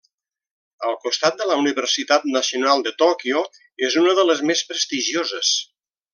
Al costat de la Universitat Nacional de Tòquio és una de les més prestigioses.